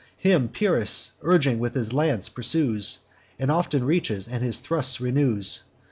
Him Pyrrhus, urging with his lance, pursues, And often reaches, and his thrusts renews.